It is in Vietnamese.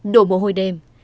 đổ mồ hôi đêm